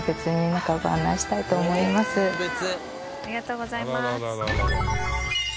ありがとうございます。